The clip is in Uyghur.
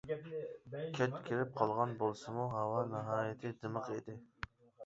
كەچ كىرىپ قالغان بولسىمۇ ھاۋا ناھايىتى دىمىق ئىدى.